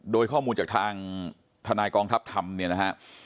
โดยข้อมูลจากทางทนายกองทัพธรรมเนี่ยนะฮะ